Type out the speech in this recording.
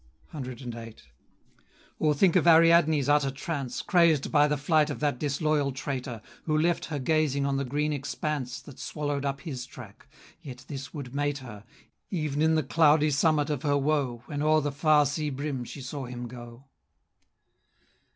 CVIII. Or think of Ariadne's utter trance, Crazed by the flight of that disloyal traitor, Who left her gazing on the green expanse That swallowed up his track, yet this would mate her, Ev'n in the cloudy summit of her woe, When o'er the far sea brim she saw him go.